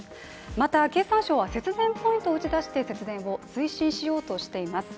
また、経産省は節電ポイントを打ち出して節電を推進しようとしています。